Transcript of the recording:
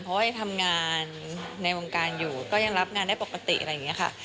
เพราะว่ายังทำงานในวงการอยู่ก็ยังรับงานได้ปกติอะไรอย่างนี้ค่ะ